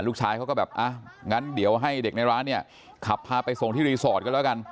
ลูกชายเขาก็แบบอ่ะงั้นเดี๋ยวให้เด็กในร้านเนี่ยขับพาไปส่งที่รีสอร์ทก็แล้วกัน